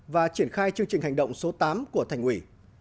và triển khai chương trình hành động số tám của thành ủy